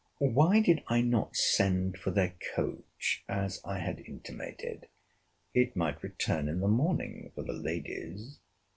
Why did I not send for their coach, as I had intimated? It might return in the morning for the ladies.